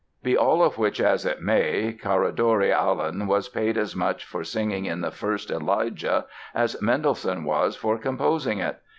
Be all of which as it may, Caradori Allan was paid as much for singing in the first "Elijah" as Mendelssohn was for composing it!